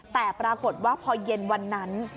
แต่ปรากฏว่าพอเย็นวันนั้น